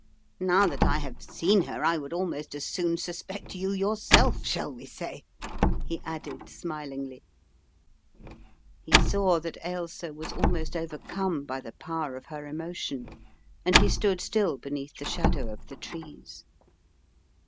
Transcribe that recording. "Now that I have seen her I would almost as soon suspect you yourself, shall we say," he added, smilingly. He saw that Ailsa was almost overcome by the power of her emotion and he stood still beneath the shadow of the trees.